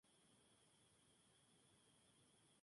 Sólo la prensa, quienes Nick echó, acudieron al funeral.